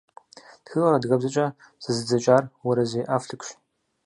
Тхыгъэр адыгэбзэкӀэ зэзыдзэкӀар Уэрэзей Афликщ.